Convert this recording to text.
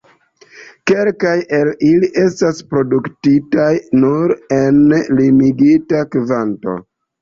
Kelkaj el ili estas produktitaj nur en limigita kvanto.